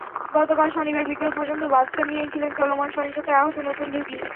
গতকাল শনিবার বিকেল পর্যন্ত বাদশা মিয়াই ছিলেন চলমান সহিংসতায় আহত নতুন রোগী।